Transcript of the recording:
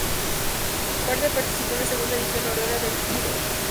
Berger participó en la segunda edición noruega de "Idol".